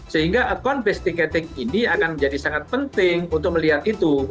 sehingga account based ticketing ini akan menjadi sangat penting untuk melihat itu